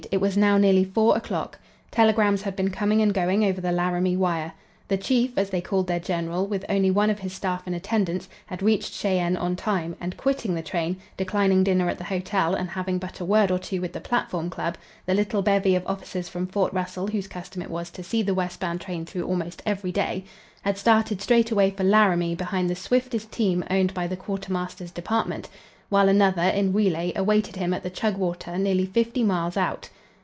It was now nearly four o'clock. Telegrams had been coming and going over the Laramie wire. "The Chief," as they called their general, with only one of his staff in attendance, had reached Cheyenne on time, and, quitting the train, declining dinner at the hotel and having but a word or two with the "Platform Club," the little bevy of officers from Fort Russell whose custom it was to see the westbound train through almost every day had started straightway for Laramie behind the swiftest team owned by the quartermaster's department, while another, in relay, awaited him at the Chugwater nearly fifty miles out.